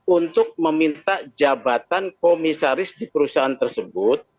untuk meminta jabatan komisaris di perusahaan tersebut